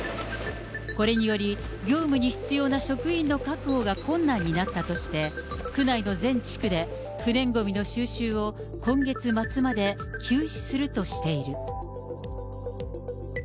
これにより、業務に必要な職員の確保が困難になったとして、区内の全地区で不燃ごみの収集を、今月末まで休止するとしている。